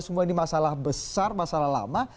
semua ini masalah besar masalah lama